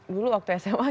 dulu waktu sma